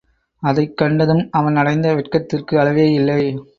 அதைக் கண்டதும் அவன் அடைந்த வெட்கத்திற்கு அளவேயில்லை.